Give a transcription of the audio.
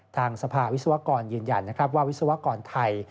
ทางสภาวิศวกรยืนยันนะครับว่าวิศวกรไทย